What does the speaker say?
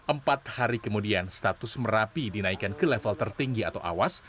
empat hari kemudian status merapi dinaikkan ke level tertinggi atau awas